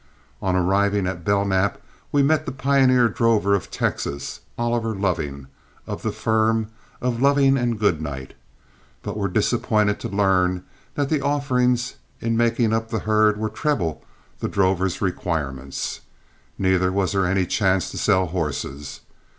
On arriving at Belknap we met the pioneer drover of Texas, Oliver Loving, of the firm of Loving & Goodnight, but were disappointed to learn that the offerings in making up the herd were treble the drover's requirements; neither was there any chance to sell horses.